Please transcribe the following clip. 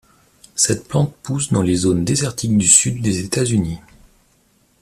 Cette plante pousse dans les zones désertiques du sud des États-Unis.